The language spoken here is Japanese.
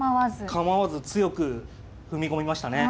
構わず強く踏み込みましたね。